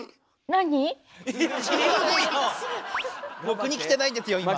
僕に来てないんですよ今。